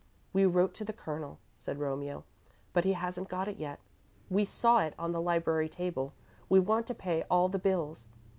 "We wrote to the Colonel," said Romeo, "but he hasn't got it yet. We saw it on the library table. We want to pay all the bills."